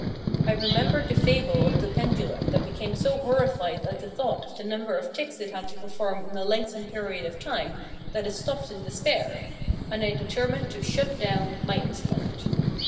I remembered the fable of the pendulum that became so horrified at the thought of the number of ticks it had to perform in a lengthened period of time, that it stopped in despair; and I determined to "shut down" my intellect.